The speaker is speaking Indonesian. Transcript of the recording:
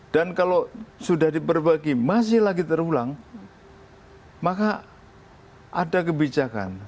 dan kalau sudah diperbagi masih lagi terulang maka ada kebijakan